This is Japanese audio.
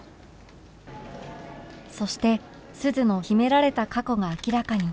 そして鈴の秘められた過去が明らかに